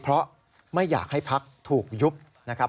เพราะไม่อยากให้พักถูกยุบนะครับ